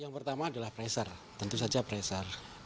yang pertama adalah pressure tentu saja pressure